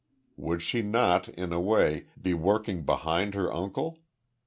Would she not, in a way, be working behind her uncle?